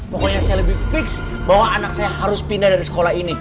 pokoknya saya lebih fix bahwa anak saya harus pindah dari sekolah ini